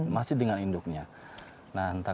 masih dengan induknya nah entah